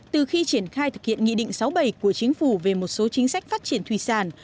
từ khi triển khai thực hiện nghị định sáu bảy của chính phủ về một số chính sách phát triển thủy sản